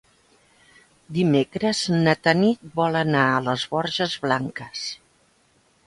Dimecres na Tanit vol anar a les Borges Blanques.